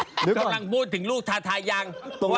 หรือกำลังพูดถึงลูกทาทายัง